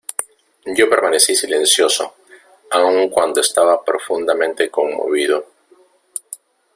yo permanecí silencioso, aun cuando estaba profundamente conmovido.